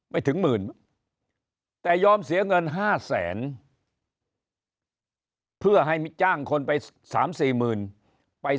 ถึงหมื่นแต่ยอมเสียเงิน๕แสนเพื่อให้จ้างคนไป๓๔หมื่นไป